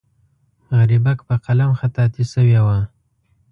غریبک په قلم خطاطي شوې وه.